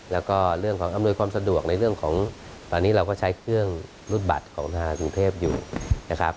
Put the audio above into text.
แล้วก็เรื่องของอำนวยความสะดวกในเรื่องของตอนนี้เราก็ใช้เครื่องรูดบัตรของทางกรุงเทพอยู่นะครับ